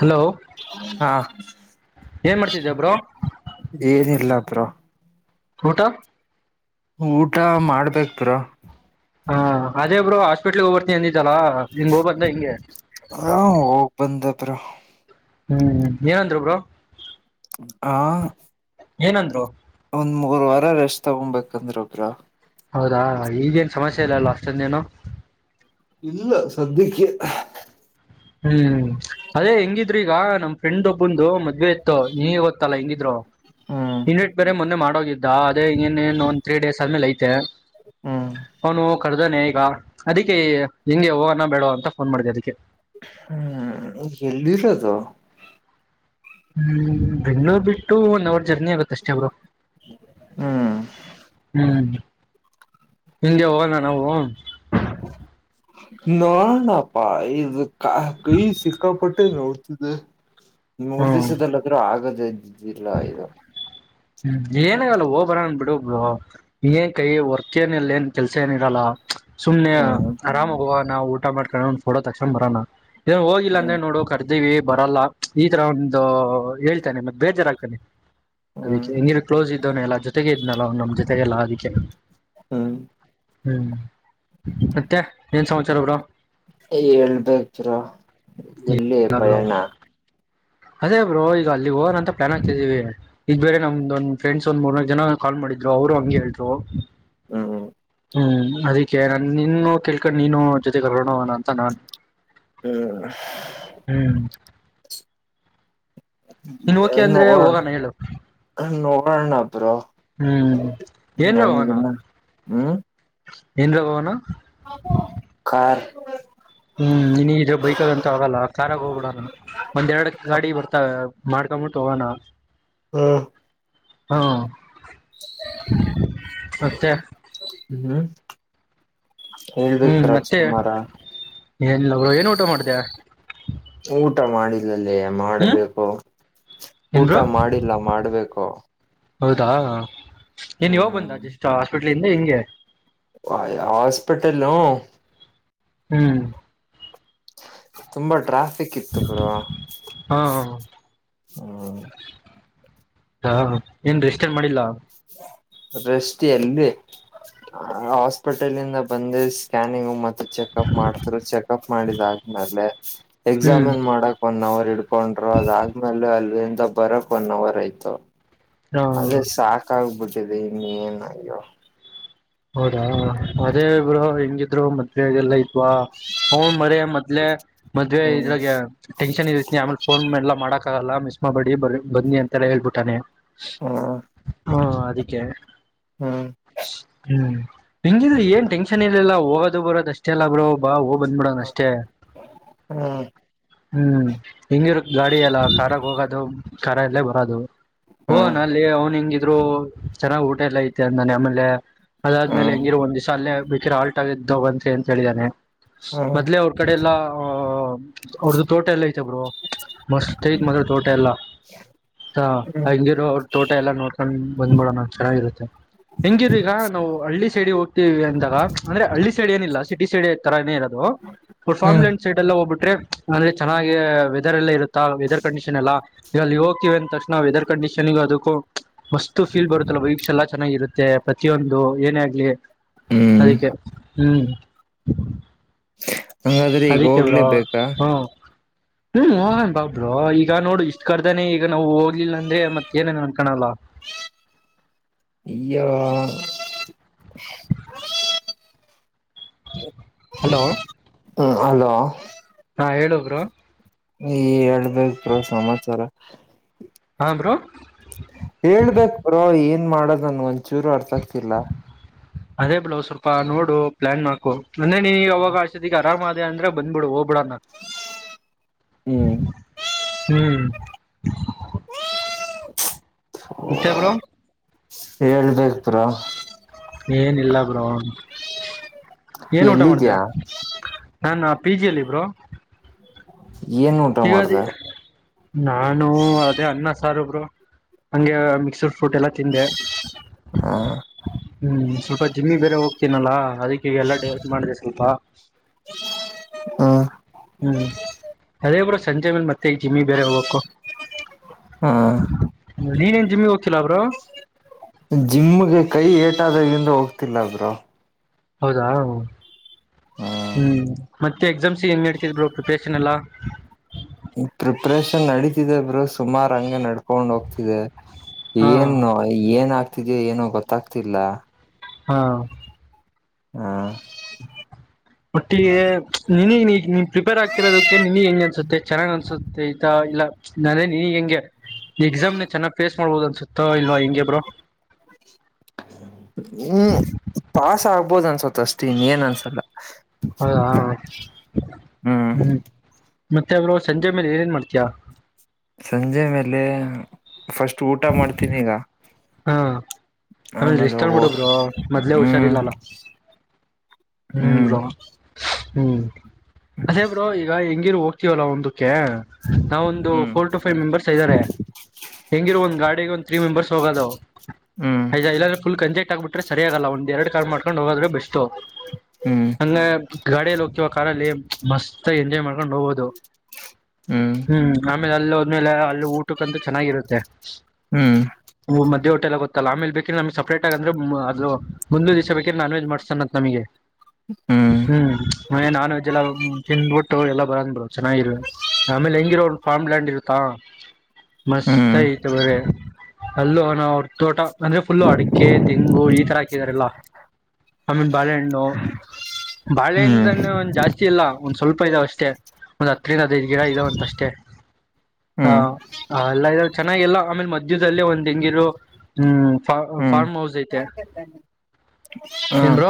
Hello ಹಾ ಶ್ ಏನ್ ಮಾಡ್ತಿದ್ಯ ಬ್ರೋ ಏನಿಲ್ಲ ಬ್ರೋ ಊಟ ಊಟ ಮಾಡ್ಬೇಕ್ ಬ್ರೋ ಹಾ ಅದೇ ಬ್ರೋ ಹಾಸ್ಪಿಟ್ಲ್ಗೆ ಹೋಗಬರ್ತೀನ್ ಅಂದಿದ್ ದಲಾ ಏನ್ ಹೋಗ್ಬಂದ ಹೆಂಗೆ ಹ ಹೋಗ್ ಬಂದೆ ಬ್ರೋ ಹ್ಮ್ ಏನಂದ್ರು ಬ್ರೋ ಹಾ ಏನಂದ್ರು ಮೂರ್ ವಾರ ರೆಸ್ಟ್ ತಗೊಬೇಕಂದ್ರು ಬ್ರೋ ಹೌದಾ ಈಗೇನ್ ಸಮಸ್ಯೆ ಇಲ್ಲಲ್ಲ ಅಷ್ಟೊಂದೇನು ಇಲ್ಲ ಸಾಧ್ಯಕ್ಕೆ ಹ್ಮ್ ಅದೇ ಹೆಂಗಿದ್ರಿ ಈಗ ನಮ್ ಫ್ರೆಂಡ್ ಒಬ್ಬನ್ದು ಮತ್ ದ್ವೆ ಇತ್ತು ನೀ ಗೊತ್ತಲ್ಲ ಎಂಗಿ ಬ್ರೋ ಹ್ಮ್ ಇನ್ವಿಟ್ ಬೇರೆ ಮೊನ್ನೆ ಮಾಡೋಗಿದ್ದ ಅದೇ ಇನ್ನೇನ್ ಒಂದ ತ್ರೀ ಡೇಸ್ ಆದ್ಮೇಲೆ ಐ ತೆ ಹ್ಮ್ ಅವ್ನು ಕರ್ದನೆ ಈಗ ಅದಿಕ್ಕೆ ಹೆಂಗೆ ಹೋಗನ ಬೇಡ್ವ ಅಂತ ಫೋನ್ ಮಾಡಿದೆ ಅದಕ್ಕೆ ಹ್ಮ್ ಎಲ್ಲಿರದು ಹ್ಮ್ ಬೆಂಗ್ಳೂರ್ ಬಿಟ್ಟು ಒನ್ ಅವರ್ ಜರ್ನಿ ಆಗತ್ ಅಷ್ಟೇ ಬ್ರೋ ಹ್ಮ್ ಹ್ಮ್ ಎಂಗೆ ಹೋಗನ ನಾವು ನೋಡಣಪ್ಪಾ ಇದು ಕಾ ಕೈ ಸಿಕ್ಕಾಪಟ್ಟೆ ನೋವ್ತಿದೆ ಇನ್ ಮೂರ್ ಹ್ಮ್ ದಿಸದಲ್ಲಾದ್ರೂ ಆಗದ ಿಲ್ಲಯದು. ಹ್ಮ್ ಏನಗಲ್ಲ ಹೋಗ ಬರ ಅನ್ ಬಿಿಡು ಏನ್ ಕೈ ಹೊರ್ತ ಏನ ಇಲ್ಲ ಏನ್ ಕೆಲ್ಸ ಏನ ಇರಲ್ಲ. ಸುಮನೆ ಹ್ಮ್ ಆರಾಮ ಹೋಗ. ನಾ್ ಊಟ ಮಾಡ್ಕೊಂಡ ಒಂದ್ ಫೋ ತಕ್ಷಣ ಬರೋ. ಏನ್ ಹೋಗಿಲ್ಲ ಹ್ಮ್ ಅ್ರೆ ನೋಡೋ. ೀವಿ ಬರಲ್ಲ ಈ ತರ ಒಂದು ಹೇಳ್ತೇನೆ ಮತ್ತೆ ಬೇಜಜಾರಾಗಗ್ತಾನೆ. ಹ್ಮ್ ಅದಕ್ಕೆ ಹೆಂಗಿ ಕ್ೋಸ್ಐತ್ತು. ಇದನ್ನ ಎಲ್ಲ ಜೊತೆಗೆ ಇದ್ನಲ್ಲ ನಮ್ಮ್ ಜೊತೆಗೆಲ್ಲ ಅದಕ್ಕೆ. ಹ್ಮ್. ಹ್ಮ್ ಮತ್ತೆ ಏನ್ ಸಮಾಚಾರ ಬಡ. ಹೇಳ್ಬೇಕರ ಎಲ್ಲಿ ಬ್ರೋ ಪ್ರಯಾಣ. ಅದೇ ಬ್ರೋ ಈಗ ಅಲ್ಲಿಗೆ ಹೋನ್ ಅಂತ ಪ್ಲಾನ್ ಹತ್ತಿದ್ದೀವಿ. ಇದ ಬೇರೆ ನಮ್ದ ಒಂದ ಫ್ರೆಂಡ್ಸ್ ಒಂದ್ ಮೂರ್ನಾ ಜನ ಕಾಲ್ ಮಾಡಿದ್ರು ಅವರು ಹಂಗಗೆ ಹೇಳ್ರು. ಹ್ಮ್ ಹ್ಮ. ಹ್ಮ್ ಅದಕ್ಕೆ ನಾನ ನಿನ್ನ ಕೇಳ್ಕೊಂಡ್ ನೀನು ಜೊತೆಗೆರೋಣವಣ ಅಂತ ನಾನು. ಹ್ಮ್. ನೀನ್ ನೋ ಓಕೆ ಅಂದ್ರೆ ಹೋಗೋಣ ಹೇಳು ನೋ. ಪ್ರಣ. ಹ್ಮ್ ಏನ್ ಜಾವಣ. ನನ್ಗಿನ್ನ ಎಏನ್್ರಗನು. ಕಾರಾರ್. ಹ್ಮ್ ನೀಿನ ಇದ್ರೆ ಬೈಕ್ಗಂತ ಹೋಗಲ್ಲ ಕಾರ್ಾಗ ಹೋಗ್ಬಿಡಣ ಒಂದ್ೆರಡು ಗಾಡಿ ಬರ್ತಾವ ಮಾಡ್ಕೊಬಿಟ್ಟು ಹೋಗೋಣ. ಹಾ. ಹಾ. ಅತ್ತೆ. ಹ್ಮ್ ಹೇಳ್ಬೇಕ ಹ್ಮ್ ಮತ್ತೆ ರಾಜ್ಕುಮಾರ ಏನಿಲ್ಲ ಅವರು ಏನ್ ಊಟ ಮಾಡ್ದ. ಮಾಡಿಲ್ಲ. ಅಲ್ಲಿ ಹ್ಮ್ ಮಾಡ್ಬೇಕು ಏನ್ ಊಟ ಬ್ರೋ ಮಾಡಿಲ್ಲ ಮಾಡ್ಬೇಕು. ಹೌದಾ. ಏನ್ವಾಗ ಬಂದ ಅಷ್ಟ. ಇಲ್ಲಿಿಂದ ಹಿಂಗೆ. ಹಾಸ್ಪಟಲ. ಹ್ಮ್. ತುಂಬಟ್ರಾ. ಸಿಕ್ಕಿತ್ತು ಪುರಾ ಹಾ ಹ್ಮ್. ಹಾ ಏನ್ೀ ಎಷ್ಟೇನ್ ಮಾಡಿಲ್ಲಾ. ರೃಷ್ಟಿ ಅಲ್ಲಿ ಹಾಸ್ಪಿಟಲ್ಂದ ಬಂದ ಸ್ಕ್ಯಾನಿಂಗ್ ಮತ್ತ. ಚೆಕ್ಪ್ ಮಾಡ್ತ್ರು ಚೆಕಪ್ ಮಾಡಿದಾದ್ಮೇಲೆ ಹ್ಮ್ ಎಕ್ಸಾಮಿನ್ ಮಾಡಕ್ ಒನ್ ಅವರ್ ಇಡ್ಕೊಂಡರು ಅದಾದ್ಮೇಲೆ ಅಲ್ಲಿ ಬರಕ್ ಒನ್ ಅವರ್ ಆಯ್ತು ಅದೇ ಹ ಸಾಕ ಆಗಬೋದು ಸಿದ ನೀನ ಹೌದಾ ಅದೇ ಇಬ್ರು ಹೆಂಗಿದ್ರು ಮದ್ ಎಲ್ಲಾ ಇ ಹ್ ಮರ ಮದ್ಲೆ ಮದ್ವೆ ಹ್ಮ್ ಇದ್ರಾಗ ಟೆನ್ಷನ್ ಇರ್ತಿನಿ ಆಮೇಲೆ ಫೋನ್ ಎಲ್ಲ ಮಾಡಕ್ ಲ್ಲ ಮಿಸ್ ಮಾಡಬೇಡಿ ಬ ಬನ್ನಿ ಅಂತೆಲ್ಲ ಹೇಳ್ಬಿಟ್ಟಾನೆ ಹ್ಮ ಹಾ ಅದಕ್ಕೆ ಹ ಹ್ಮ್ ಹೆಂಗಿದ್ರೆ ಏನ್ ಟೆನ್ಷನ್ ಇಲ್ಲಿಲ್ಲಾ ಹೋಗೋದು ಬರೋದ ಅಷ್ಟೆ ಎಲ್ಲ ಬರೋ ಬಾ ಬಂದ್ಬಿಡೋಣ ಅಷ್ಟೇ ಹ್ಮ್ ಹ್ಮ್ ಹಿಂಗಿರು ಗಾಡಿ ಎಲ್ಲ ಕಾರಖಾಗ ಹೋಗೋದು ಕಾರ ಎಲ್ಲೇ ಬರದು ಹ ಹ್ಮ್ ನ ಅಲ್ಲಿ ಅವನು ಇದ್ರು ಚೆನ್ನಾಗ್ ಊಟ ಎಲ್ಲ ಐತೆ ಅ ನಾನ ಆಮೇಲೆ ಅದಾದ್ಮೇಲೆ ಹ್ಮ್ ಹೆಂಗಿರ ಒಂದಿವಸ ಅಲ್ಲೇ ಬಿಕಿರ ಆಲ್ಟ್ ಆಗಿದ್ದೋ ಬಂತ ಅಂತ ಹೇಳಿದಾನೆ ಹ್ಮ್ ಮೊದ್ಲೇ ಅವ್ರ ಕಡೆ ಎಲ್ಲಾ ಹ ಅವ್ರದ್ದ ತೋಟ ಎಲ್ಲ ಐತೆ ಬ ಮಸ್ತೈತ ಮಾತ್ರ ತೋಟ ಎಲ್ಲ ಹ್ಮ್ ಹ್ಮ್ ಹಂಗಿರೋ ಅವ್ರ ತೋಟ ಎಲ್ಲಾ ನೋಡ್ಕೊಂಡ್ ಬಂದ್ಬಡೋಣ ಚೆನ್ನಾಗಿರುತ್ತೆ ಹೆಂಗಿರು ಈಗ ನಾವು ಹಳ್ಳಿ ಸೈಡಿ ಹೋಗ್ತೀವಿ ಅಂದಾಗ ಅಂದ್ರೆ ಹಳ್ಳಿ ಸೈಡ್ ಏನಿಲ್ಲ ಸಿಟಿ ಸೈಡ್ ತರ ಏ ಇರೋದು ಫಾರ್ಲ್ಯಂಡ್ ಸೈಡ್ಲ್ಲ ಒಬಟ್ಟು ಅಂದ್ರೆ ಚೆನ್ನಾಗಿ ವೆದರ್ ಎಲ್ಲ ಇರುತ್ತೆ ವೆದರ್ ಕಂಡೀಷನ್ ಎಲ್ಲ ಈಗ ಅಲ್ಲಿ ಹೋಗ್ತೀವಿ ಅಂದ ತಕ್ಷಣ ವೆದರ್ ಕಂಡೀಷನ್ ಅದಕ್ಕೂ ಮಸ್ತ್ ಫೀಲ್ ಬರುತ್ತಲ್ಲ ಬ ಚೆನ್ನಾಗಿರುತ್ತೆ ಪ್ರತಿಯೊಂದು ಅದು ಏನ ಆಗ್ಲಿ ಹ್ಮ್ ಅದಕ್ಕೆ ಹ್ಮ್ ಹ ಹಂಗಾದ್ರೆ ಈಗ ಅದಕ್ಕೆ ಬ್ರೋ ಹೋಗ್ಲೇಬೇಕಾ ಹ್ಮ ಹ್ಮ್ ಹೋಗಣ ಬಾಬರು ಈಗ ನೋಡು ಇಷ್ಟ್ ಕರ್ದಾನೆ ಈಗ ನಾವು ಹೋಗ್ಲಿಲ್ಲ ಅಂದ್ರೆ ಮತ್ತತ್ ಏನೇನ್ ಅನ್ಕೋಲ್ಲ ಯ [inaudible] ಹಲೋ ಹ್ಮ ಅಲೋ ಹಾ ಹೇಳೊ ಬ್ರೋ ನೀ ಹೇಳ್ಬೇಕ ಬ್ರೋ ಸಮಾಚಾರ ಹಾ ಬ್ರೋ ಹೇಳ್ಬೇಕು ಬ್ರೋ ಏನ್ ಏನ್ ಮಾಡೋದೆನ್ ಒಂಚೂರು ಅರ್ಥ ಆಗ್ತಿಲ್ಲ ಅದೇ ಬ್ರೋ ಸ್ವಲ್ಪ ನೋಡು ಪ್ಲಾನ್ ಮಾಡಕೊ ಅಂದ್ರೆ ನೀನ್ ಅವಾಗ ಅಷ್ಟೊತ್ತಿಗೆ ಆರಾಮದೇ ಅಂದ್ರೆ ಬಂದಬುಡ ಹೋಗ್. ಹ್ಮ್ [unintelligible] ಹ್ಮ್ ಮತ್ತೆ ಬ್ರೋ ಹೇಳ್ಬೇಕ ಬ್ರೋ ಏನಿಲ್ಲ ಬ್ರೋ ಏನ್ ಊಟ ಮಾಡ್ದ ಎಲ್ಲಿದ್ಯಾ ನನ್ ಪಿಜಿಯಲ್ಲಿ ಬ್ರೋ ಏನ್ ಊಟ ಈಗ ಅದು ಮಾಡ್ದ ನಾನು ಅದೇ ಅನ್ನ ಸಾಂಬಾರ್. ಸಾರ್ ಬ್ರೋ ಹಂಗೆ ಮಿಕ್ಸಡ ಪ್ರೂಟ್ ಎಲ್ಲಾ ತಿಂದೆ ಹ ಹ್ಮ್ ಸ್ವಲ್ಪ ಜಿಮ್ಮಿಗೆ ಬೇರೆ ಹೋಗಬೇಕ ತಿನ್ನಲ್ಲಾ ಅದಕ್ಕೆ ಎಲ್ಲಾ ಡಯಟ ಮಾಡಿದೆ ಸ್ವಲ್ಪ ಹಾ ಹ್ಮ್ ಅದೇ. ಸಂಜೆ ಮೇಲೆ ಮಾಡ್ತೀನಿ ಮತ್ತೆ ಈ ಜಿಮ್ಮಿಗೆ ಬೇರೆ ಹೋಗ್ಬೆಕು ಹ ನೀ ಏನ್ ಜಿಮ್ಮಿಗೆ ಹೋಗ್ತಿಯ ಜಿಮ್ಗೆ ಕೈ ಎಟ್ ಎಟಾದಗಿಂದ ಹೋಗ್ತಿಲ್ಲ ಬ್ರೋ ಹೌದಾ ಹ್ಮ್ ಮತ್ತೆ ಎಕ್ಸಾಮ್ಸ್ ಏನ್ ನಡೀತಿದೆ ಬ್ರೋ ಪ್ರಿಪರೇಷನ್ ಎಲ್ಲಾ.. ಪ್ರಿಪ್ರೇಷನ್ ನಡೀತಿದೆ ಬ್ರೋ ಸುಮಾರು ಹಂಗೆ ನಡ್ಕೊಂಡ್ ಹೋಗ್ತಿದೆ ಹಾ ಏನು ಏನ್ ಆಗ್ತಿದೆ. ಇವತ್ತಿಗೆ ಏನೊ ಗೊತ್ತಾಗ್ತಿಲ್ಲ ಹಾ ಹಾ ಒಟ್ಟಿಗೆ ನೀನಗ್ ಈಗ ನೀನ್ ಪ್ರಿಪೇರ್ ಆಗ್ತಿರೋದಕ್ಕೆ ನಿನಗ್ ಹೆಂಗ ಅನ್ಸುತ್ತೆ ಚೆನ್ನಾಗ್ ಅನ್ಸುತ್ತಾ ಆಯ್ತಾ ಇಲ್ಲ.. ನಾನೇನ ನೀನಗ್ ಹೆಂಗೆ ಎಕ್ಸಾಮ್ ನ ಚೆನ್ನಾಗ್ ಫೇಸ್ ಮಾಡ್ಬೋುದು ಅನ್ಸುತ್ತ ಇಲ್ವಾ ಹೆಂಗೆಬ್ರೋ ಆಗಬಹುದು ಅನ್ಸತ ಅಷ್ಟ ಇನ್ ಏನ್ಸಲ್ಲ ಹೌ ಹಾ ಹ್ಮ್ ಮತ್ತೆ ಅವರು ಸಂಜೆ ಮೇಲೆ ಏನೇನ್ ಮಾಡ್ತೀಯಾ ಸಂಜೆ ಮೇಲೆ ಫಸ್ಟ್ ಊಟ ಮಾಡ್ತೀನಿ ಈಗ ಹಾ ಆಮೇಲೆ ರೆಸ್ಟ್ ತಗೊಂಡ್ ಬಿಡು ಬ್ರೋ ಮೊದ್ಲೇ ಹ್ಮ್ ಹುಷಾರಿಲ್ಲಲ್ಲ ಹ್ಮ್ ಬ್ರೋ ಹ್ಮ್ ಅದೇ ಬ್ರೋ ಈಗ ಹೆಂಗ ಹೋಗ್ತೀವಲ್ಲ ಒಂದಕ್ಕೆ ನಾವ ಒಂದು ಹ್ಮ್ ಫೋರ್ ಟು ಫೈವ್ ಮೆಂಬರ್ಸ್ ಇದ್ದಾರೆ ಹೆಂಗಿರೋ ಒಂದ್ ಗಾಡಿಗೆ ಒಂದ್ ತ್ರೀ ಮೆಂಬರ್ಸ್ ಹೋಗೋದು ಹ್ಮ್ ಹಯದಾ ಇಲ್ಲಾದ್ರೆ ಫುಲ್ ಕಂಜಕ್ಟ್ ಆಬಿರೆ ಸರಿಯಗಲ್ಲ ಒಂದ ಎರಡ್ ಕ ಮಾಡ್ಕೊಂಡು ಹೋಗದ್ರೆ ಬೆಸ್ಟ್ ಹ್ಮ್ ಹಂಗ ಗಾಡಿಯಲ್ಲಿ ಹೋಗ್ತಿವ ಕಾರಲ್ಲಿ ಮಸ್ತ್ ಎಂಜಾಯ್ ಮಾಡ್ಕೊಂಡು ಹೋಗ್ಬೋದು ಹ್ಮ್ ಹ್ಮ್ ಅಲ್ಲ ಅಲ್ಲಿ ಊಟಕ್ಕಂತೂ ಚೆನ್ನಾಗಿರುತ್ತೆ ಹ್ಮ್ ಮ ದೇ ಹೋಟೆಲ್ಗ ಗೊತ್ತಲ್ಲ ಆಮೇಲೆ ಬೇಕಿದ್ರೆ ನಮ್ ಸಪರೇಟ್ ಆಗಿ ಅ್ರ ಅದು ಮುಂದಿಲ ದಿವಸ ಬೇಕಿದ್ರೆ ನಾನ್ ವೆಜ್ ಅಂತ ನಮಗೆ ಹ್ಮ್ ಮನೆ ನಾನ್ ವೆಜ್ ಎಲ್ಲ ತಿಂದ್ಬಿಟ್ಟು ಎಲ್ಲ ಬರಂಗ ಚೆನ್ನಾಗಿರುವ ಆಮೇಲೆ ಹೆಂಗಿರೋ ಒ ಫಾರ್ಮ್ ಲ್ಯಾಂಡ್ ಇರುತ್ತಾ ಹ್ಮ್ ಮಸ್ತ್ ಹ್ಮ್ ಆಯ್ತು ಬರ ಹಲೋ ನಾ ತೋಟ ಅಂದ್ರೆ ಫುಲ್ಲು ಅಡಿಕೆ ತೆಂಗು ಈ ತರ ಹಾಕಿದಾರಲ್ಲ ಆಮೇಲ ಬಾಳೆಹಣ್ಣು ಬಾಳೆಹಣ್ಣು ಜಾಸ್ತಿ ಇಲ್ಲ ಒಂದ್ ಸ್ವಲ್ಪ ಇದಾವ ಅಷ್ಟೇ ಒಂದ್ ಹತ್ರರಿನದ ಗಿಡ ಇದಾವ ಅಂತ ಅಷ್ಟೇ ಹ ಹ್ಮ್ ಹ್ಮ್ ಎಲ್ಲ ಇದಾವ್ ಚೆನ್ನಾಗಿ ಎಲ್ಲ ಆಮೇಲೆ ಮಧ್ಯದದಲ್ಲಿೇ ಒಂದ್ ಹೆಂಗಿರು ಹ್ಮ್ ಫಾರ್ಮ ಹ್ಮ್ ಫಾರ್ಮ ಹಾಸ್ ಇತೆ ಏನ್ ಬ್ರೋ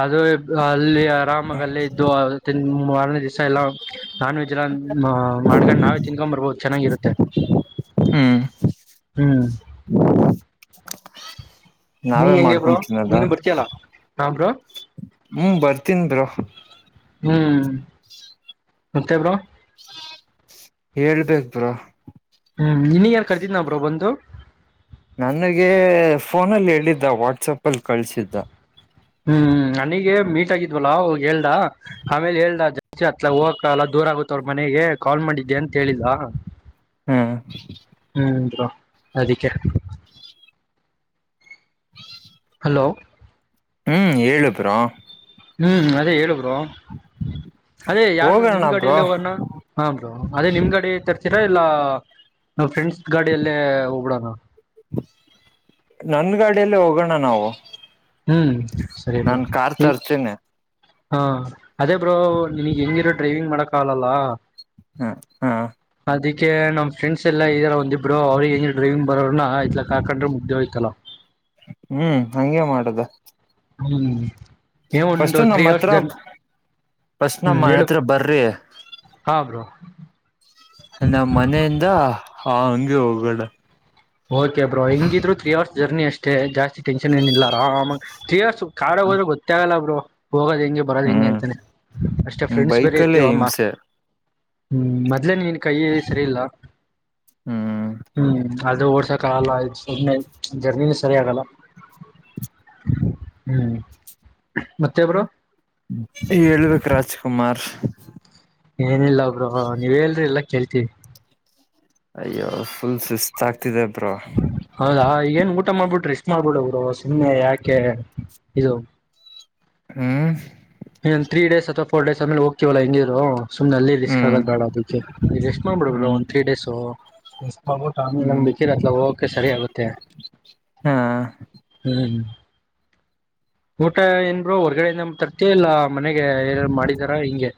ಅದು ಅಲ್ಲಿ ಆರಾಮಾಗ ಅಲ್ಲಿ ಇದ್ದು ಮಾರನೇ ದಿವ್ಸ ಎಲ್ಲಾ ನಾನ್ ವೆಜ್ ಎಲ್ಲ ಮಾಡ್ಕೊಂಡ್ ನಾವೇ ತಿನ್ಕೊಂಡು ಬರಬಹುದು ಚೆನ್ನಾಗಿರುತ್ತೆ ಹ್ಮ್ ಹ್ಮ್ ನೀ ನಾವೇ ಹೆಂಗಗೆಬ್ರೋ ಮಾಡ್ಕೊಂಡ್ ತಿನ್ನದ ನೀನು ಬರ್ತೀಯಲ್ಲ ಹಾ ಬ್ರೋ ಹ್ಮ್ ಬರ್ತಿನ್ ಬ್ರೋ ಹ್ಮ್ ಮಂತೆ ಬ್ರೋ ಹೇಳ್ಬೇಕ ಬ್ರ ಹ್ಮ್ ಇನ್ನಗ ಏನ್ ಕರ್ತಿದ್ನ ಬ್ರೋ ಬಂದು, ನನಗೆ ಫೋನಲ್ಲಿ ಹೇಳಿದ್ದ ವಾಟ್ಸಪ್ ಅಲ್ಲಿ ಕಳ್ಸಿದ್ದ, ಹ್ಮ್ ನನಗೆ ಮೀಟ್ ಆಗಿದ್ವಲ್ಲ ಅವಾಗ ಹೇಳ್ ದ ಆಮೇಲೆ ಹೇಳ ಜಾಸ್ತಿ ಅತ್ ಹೋಗಕ ಎಲ್ಲ ದೂರ ಆಗುತ್ತೆ ್ರ ಮನೆಗೆ ಕಾಲ್ ಮಾಡಿದ್ದೆ ಅಂತ ಹೇಳಿದ ಹ್ಮ್ ಹ್ಮ್ ಬ್ರೋ ಅದಕ್ಕೆ, [unintelligible] ಹಲೋ ಹ್ಮ್ ಏಳು ಬ್ರೋ, ಹ್ಮ್ ಅದೇ ಹೇಳು ಬ್ರೋ, ಅದೇ ಯಾರ್ದು ಹೋಗೋಣ ನಿಮ್ ಬ್ರೋ ಗಡಿಯಲ್ಲಿ ಹೋಗೋಣ ಹಾ ಬ್ರೋ, ಅದೇ ನಿಮ್ಗಡೆ ತರ್ತೀರಾ ಇಲ್ಲ. ನಾವು ಫ್ರೆಂಡ್ಸ್ ಗಾಡಿಯಲ್ಲೇ ಹೋರಡೋಣ? [unintelligible] ನನ್ ಗಾಡಿಯಲ್ಲ ಹೋಗೋಣ ನಾವು ಹ್ಮ್ ಸರಿ ಬ್ರೋ ನಾನ್ ಕಾರ್ ತರ್ತೀನಿ. ಹಾ ಅದೇ ಬ್ರೋ ನಿಿನಗ್ ಹೆಂಗಿರೋ ಡ್ರೈವಿಂಗ್ ಮಾಡಕ್ ಆಗಲ್ಲ. ಹ್ಮ್ ಹಾ ಅದಕ್ಕೆ ನಮ್ ಫ್ರೆಂಡಸ್ ಎಲ್ಲ ಇದರ ಒಂದ್ ಎರೆಡು ಇಬ್ರು ಅವರಿಗೆ ಹೆಂಗ್ ಡ್ರೈವಿಂಗ್, ಬರೋನ ಇತ್ತಲಗ ಕಾಕಂಡ್ರೆ ಮುಗಿದು ಹೋಯ್ತು ನಾವು ಹ್ಮ್ ಹಂಗೆ ಮಾಡುದ? ಹ್ಮ್ ಏ ಒಂದು ತ್ರೀ ನಮ್ಮ ಅವರ್ಸ್ ಹತ್ರ ಜರ್ನಿ ಫಸ್ಟ್ ಹ್ಮ್ ನಮ್ಮನೆ ಹೇಳು ಹತ್ರ ಬರ್ರಿ. ಹಾ ಬ್ರೋ, ದ ನಮ್ಮ ಮನೆಯಿಂದ ಹಾ ಹಂಗೆ ಹೋಗೋಣ. ಓಕೆ ಬ್ರೋ ಹೆಂಗಿದ್ರು ತ್ರೀ ಅವರ್ಸ್ ಜರ್ನಿ ಅಷ್ಟೇ ಜಾಸ್ತಿ ಟೆನ್ಷನ್ ಏನ ಇಿಲ್ಲಾರ ತ್ರೀ ಅವರ್ಸ್ ಕಾರ್ ಹೋದ್ರೆ ಗೊತ್ತೆ ಅಗಲ್ಲ ಬ್ರೋ, ಹೋಗೋದ್ ಹೆಂಗೆ ಬರೋದು ಹೆಂಗೆ ಹ್ಮ್ ಅಂತಾನೆ ಅಷ್ಟೇ ಫ್ರೆಂಡ್ಸ್ ಬೇರೆ ಬೈಕಲ್ಲೇ ಇರ್ತೀವ ಅಮ್ಮ, ಹಿಂಸೆ ಹ್ಮ್ ಮೊದ್ಲೇನ್ ನೀನ್ ಕೈ ಸರಿ ಇಲ್ಲ. ಹ್ಮ್ ಹ್ಮ್ ಒಡ್ಸೋಕೆ ಆಗಲ್ಲ ಜರ್ಮ ಸರಿಯಾಗಲ್ಲ ಹ್ಮ್ ಮತ್ತೆ ಬ್ರೋ ಹೇಳ್ಬೇಕು ರಾಜ್ಕುಮಾರ್ ಏನಿಲ್ಲಬ್ರ ನೀವ್ೇಲ್ರಿಿ ಎಲ್ಲಾ ಕೇಳ್ತೀವಿ ಅಯ್ಯೋ ಫುಲ್ ಸುಿಸಸ್ತ್ ಆಗ್ತಿದೆ ತ್ರ [unintelligible] ಏನ್ ಊಟ ಮಾಡ್ಬಿಟ್ರಿ ಎಷ್ಟ್ ಮಾಡ್ಬಿಡ ಅವರು ಸುಮ್ಮನೆ ಯಾಕೆ ಇದು ಹ್ಮ ನೀನ್ನೊ ತ್ರೀಡೇಸ್ ಅಥವಾ ೋರ್ ಡೇಸ್ ಆೇಲೆ ಹೋಗ್ತವಲ್ಲ ಹಂಗೀರು ಸುಮನೆ ಅಲ್ಲಿ ರಿಸ್ಕ್ ಹ್ಮ್ ಆಗದ ಬೇಡ ಅದಕ್ಕೆ ರ ಎಸ್ಟ್ ಮಾಡ್ಬಿಡ್ಬ ಹ್ಮ್ ಒಂದ ತ್ರೀ ಡೇಸ್ ಹ [unintelligible] ಹೋಗ ಆಮೇಲೆಂಗ್ ಹ್ಮ್ ಬಿಕಿರತ್ ಹೋಗಕೆ ಸರಿ ಆಗುತ್ತೆ ಹಾ ಹ್ಮ್ ಊಟ ಏನ್ೋ ಹೊರ್ಗಡೆಯಿಂದ ತರ್ತ ಇಲ್ಲ ಮನೆಗೆ ಏನ ಮಾಡಿದಾರ ಹಿಂಗೆ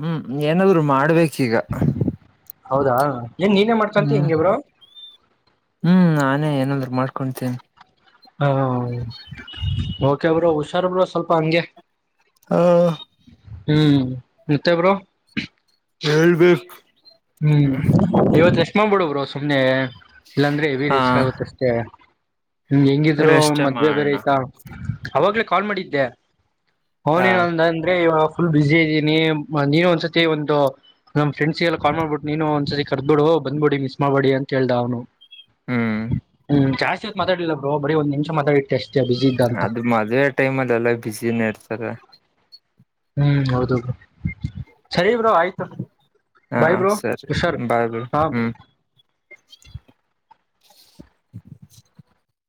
ಹ್ಮ್ ಏನಾದ್ರು ಮಾಡ್ಬೇಕೀಗ ಹೌದಾ ಏನ್ ನೀನೇ ಮಾಡ್ಕಂತಿ ಹ್ಮ್ ಹಿಂಗೆ ಬ್ರೋ ಹ್ಮ್ ನಾನೇ ಏನಂದ್ರು ಮಾಡ್ ಕುಂತ ಹಾ ಓಕೆಬರು ಹುಷಾರ್ರು ಸ್ವಲ್ಪ ಹಂಗೆ ಹಾ ಹ್ಮ್ ಮತ್ತೆ ಬ್ರೋ ಹೇಳ್ಬೇಕು ಹ್ಮ್ ಇವತ್ ರೆಸ್ಟ್ ಮಾಡ್ಬಿಡು ೇ [unintelligible] ಇಲ್ಲಾಂದ್ರೆ ಹೆವಿ ಹಾ ರಿಸ್ಕ್ ಆಗುತ್ತ ಅಷ್ಟೇ ಹೆಂಗಿದ್ರು ರೆಸ್ಟ್ ಮದ್ವೆ ಬೇರೆ ಮಾಡೋಣ ಐ್ತಾ ಅವಾಗ್ಲೇ ಕಾಲ್ ಮಾಡಿದ್ದೆ ಹ ಅವನೇನು ಅಂದ ಅಂದ್ರೆ ಫುಲ್ ಬಿಸಿ ಇದ್ದೀನಿ ನೀ ಒಂದಸತಿ ಒಂದು ನಮ್ಮ ಫ್ರಂಡ್ಸ್ಲ್ಲ ಕಾಲ್ ಮಾಡ್ಬಿಟ್ಟು ನೀನು ಒಂದ್ಸತಿ ಕರ್ದಬಿಡು ಬಂದ್ಬಿಡಿ ಮಿಸ್ ಮಾಡ್ಬಿಡಿ ಅಂತ ಹೇಳ್ದ ಅವ್ನು ಹ್ಮ್ ಹ್ಮ ಜಾಸ್ತಿತ್ ಮಾತಡಿಿಲ್ಲ ಬ್ರ ಬೀ ಒಂದ ನಿಮ್ ಅದು ಮದ್ುವವೆ ಟೈಮ್ಲ್ಲಿ ಎಲ್ಲ ಬ್ಯುಿಸಿನ ಇರ್ತಾರ ಹ್ಮ್ ಹೌದು ಬ್ರೋ ಸರಿ ಬ್ರೋ ಆಯ್ತು ಹಾ ಬಾಯಿ ಬ್ರೋ ಸರಿ ಹುಷಾರ ಬಾಯ್ ಬಿಡು ಹಾ ಬ ಹ್ಮ್ [inaudible]